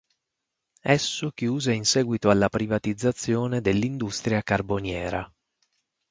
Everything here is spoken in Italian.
Esso chiuse in seguito alla privatizzazione dell'industria carboniera.